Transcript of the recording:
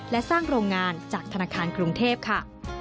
และสร้างโรงงานจากธนาคารกรุงเทพค่ะ